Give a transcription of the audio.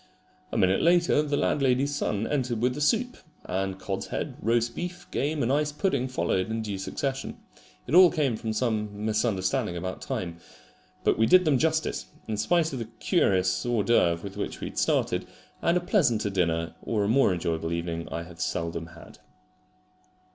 A minute later the landlady's son entered with the soup; and cod's head, roast beef, game and ice pudding followed in due succession. It all came from some misunderstanding about time. But we did them justice, in spite of the curious hors d'oeuvre with which we had started; and a pleasanter dinner or a more enjoyable evening I have seldom had.